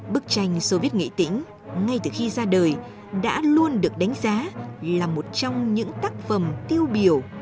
bức tranh soviet nghệ tĩnh ngay từ khi ra đời đã luôn được đánh giá là một trong những tác phẩm tiêu biểu